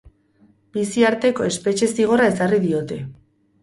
Bizi arteko espetxe zigorra ezarri diote.